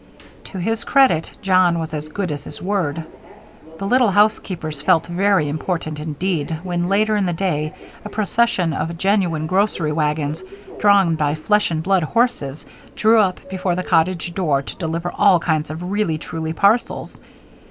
To his credit, John was as good as his word. The little housekeepers felt very important indeed, when, later in the day, a procession of genuine grocery wagons, drawn by flesh and blood horses, drew up before the cottage door to deliver all kinds of really truly parcels.